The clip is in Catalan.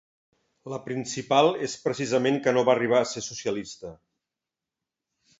La principal és precisament que no va arribar a ser socialista.